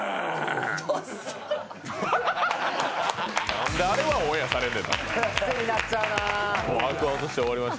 何であれはオンエアされんねんな。